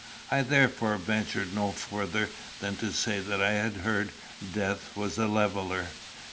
I therefore ventured no farther than to say that I had heard death was a leveller.